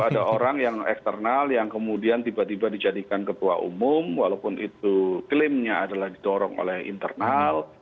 ada orang yang eksternal yang kemudian tiba tiba dijadikan ketua umum walaupun itu klaimnya adalah didorong oleh internal